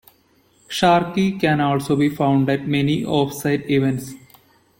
Sharky can also be found at many offsite events.